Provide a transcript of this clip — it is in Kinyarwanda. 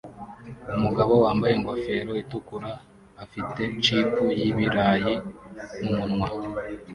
umugabo wambaye ingofero itukura afite chip y'ibirayi mumunwa